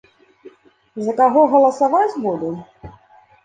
За каго галасаваць буду?